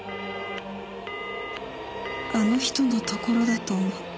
あの人のところだと思った。